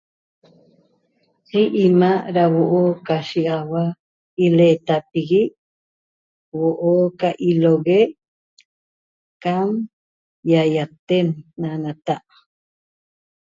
Yi imaa' da huoo' ca shiaxauapi da iletapigue huoo ca ilohogue cam iaiaten na nata'